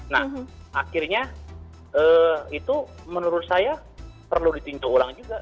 nah akhirnya itu menurut saya perlu ditinjau ulang juga